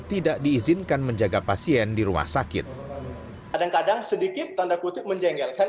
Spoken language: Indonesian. tidak diizinkan menjaga pasien di rumah sakit kadang kadang sedikit tanda kutip menjengkelkan